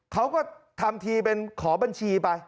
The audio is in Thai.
เขาก็ทำทีเป็นขอบัญชีไป